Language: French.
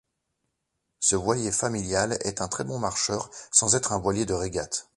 Ce voilier familial est un très bon marcheur, sans être un voilier de régate.